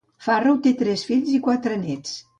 Farrow té tres fills i quatre néts.